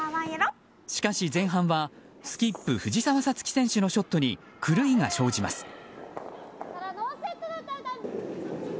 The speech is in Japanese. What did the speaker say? しかし、前半はスキップ藤澤五月選手のショットに狂いが生じます。